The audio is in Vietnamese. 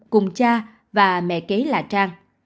cùng cha và mẹ kế là trang